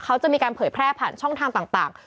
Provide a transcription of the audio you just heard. เขาจะมีการเผยแพร่ผ่านช่องทางต่าง